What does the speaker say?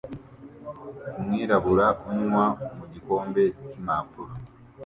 Umwirabura unywa mu gikombe cy'impapuro